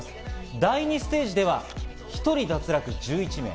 第２ステージでは１人脱落で１１人。